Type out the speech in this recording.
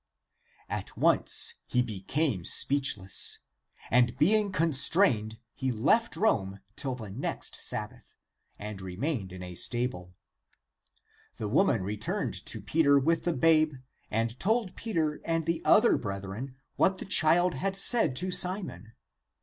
At once he became speechless, and being con strained he left Rome till the next Sabbath and re mained in a stable. The woman returned to Peter with the babe, and told Peter and the other brethren what the child had said to Simon.